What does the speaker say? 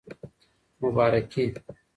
مبارکي